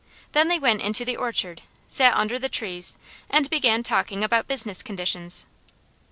Then they went into the orchard, sat under the trees and began talking about business conditions.